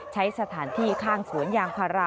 ใช้สถานที่ข้างศูนย์ยางภาระ